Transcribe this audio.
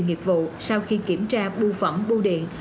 nghiệp vụ sau khi kiểm tra bưu phẩm bưu điện